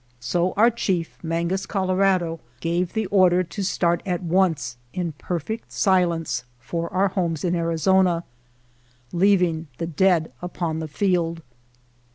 So our chief, Mangus Colorado, gave the order to start at once in perfect silence for our homes in Ari zona, leaving the dead upon the field.